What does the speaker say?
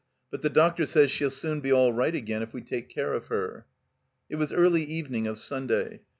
But the doc Otor says she'll soon be all right again if we take care of her." It was early evening of Sumday.